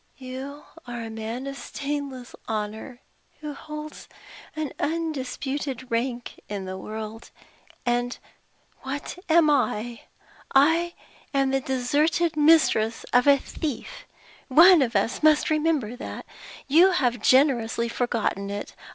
"You are a man of stainless honor, who holds an undisputed rank in the world. And what am I? I am the deserted mistress of a thief. One of us must remember that. You have generously forgotten it.